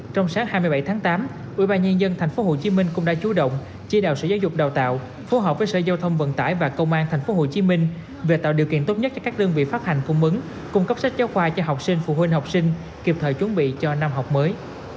trong sáng hai mươi bảy tháng tám ủy ban nhân dân tp hcm cũng đã chú động chia đào sở giáo dục đào tạo phù hợp với sở giao thông vận tải và công an tp hcm về tạo điều kiện tốt nhất cho các đơn vị phát hành phung mứng cung cấp sách giáo khoa cho học sinh phụ huynh học sinh kịp thời chuẩn bị cho năm học mới